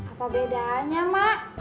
apa bedanya mak